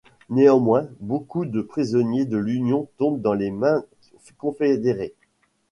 Néanmoins, beaucoup de prisonniers de l'Union tombent dans les mains confédérées.